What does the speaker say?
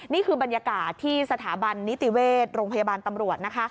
นี่คือบรรยากาศที่สถาบันนิติเวชโรงพยาบาลตำรวจนะคะ